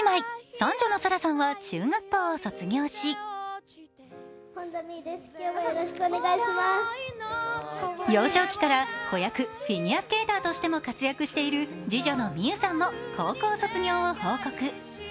三女の紗来さんは中学校を卒業し、幼少期から子役、フィギュアスケーターとしても活躍している次女の望結さんも高校卒業を報告。